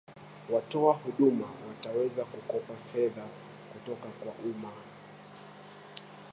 watoa huduma wataweza kukopa fedha kutoka kwa umma